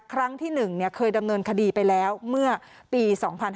ครั้งที่๑เคยดำเนินคดีไปแล้วเมื่อปี๒๕๕๙